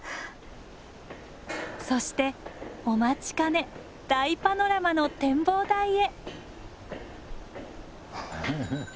そしてお待ちかね大パノラマの展望台へ。